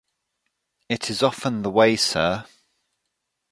It is often the way, sir.